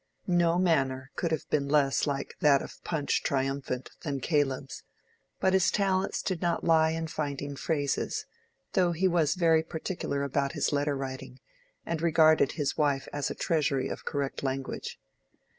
No manner could have been less like that of Punch triumphant than Caleb's, but his talents did not lie in finding phrases, though he was very particular about his letter writing, and regarded his wife as a treasury of correct language.